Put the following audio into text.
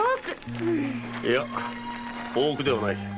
いや大奥ではない。